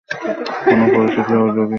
কোন পরিচিত সহযোগী বা পরিচিতি?